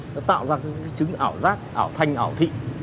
nó tạo ra cái chứng ảo giác ảo thanh ảo thị